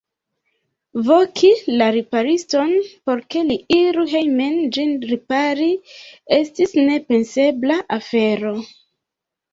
Voki la ripariston, por ke li iru hejmen ĝin ripari, estis nepensebla afero.